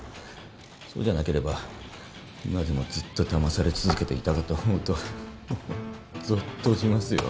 そうじゃなければ今でもずっとだまされ続けていたかと思うとぞっとしますよ。